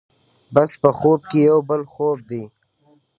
بس په خوب کې یو بل خوب دی.